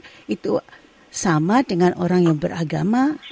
spiritual itu itu sama dengan orang yang beragama